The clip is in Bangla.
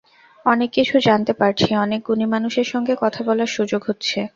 অনেক কিছু জানতে পারছি, অনেক গুণী মানুষের সঙ্গে কথা বলার সুযোগ হচ্ছে।